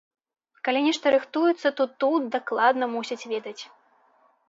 Калі нешта рыхтуецца, то тут дакладна мусяць ведаць.